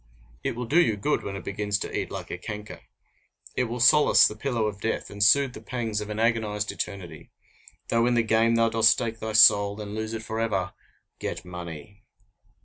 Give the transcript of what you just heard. It will do you good when it begins to eat like a canker! It will solace the pillow of death, and soothe the pangs of an agonized eternity! Though in the game thou dost stake thy soul, and lose it forever get money!